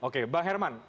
oke bang herman